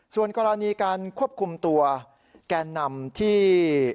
ส่วนกรณีการควบคุมตัวแกนนำที่